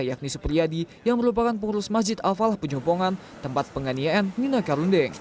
yakni supriyadi yang merupakan pengurus masjid al falah penyopongan tempat penganiayan ninoy karundeng